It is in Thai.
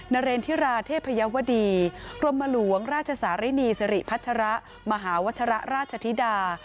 เรนธิราเทพยาวดีกรมหลวงราชสารินีสิริพัชระมหาวัชระราชธิดา